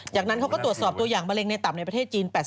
จากนั้นเขาก็ตรวจสอบตัวอย่างมะเร็งในต่ำในประเทศจีน